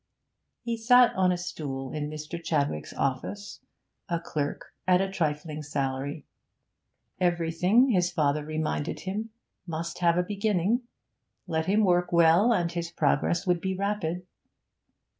He sat on a stool in Mr. Chadwick's office, a clerk at a trifling salary. Everything, his father reminded him, must have a beginning; let him work well and his progress would be rapid.